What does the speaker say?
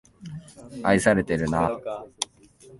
愛されてるな